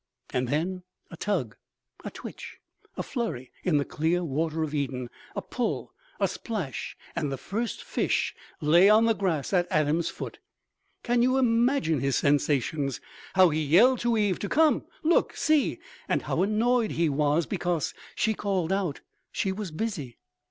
And then a tug, a twitch, a flurry in the clear water of Eden, a pull, a splash, and the First Fish lay on the grass at Adam's foot. Can you imagine his sensations? How he yelled to Eve to come look see, and, how annoyed he was because she called out she was busy....